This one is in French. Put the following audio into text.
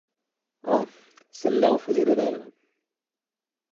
Ah! celle-là en faisait de belles !